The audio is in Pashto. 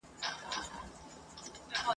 ټوله ژوند په نعمتونو کي روزلي ..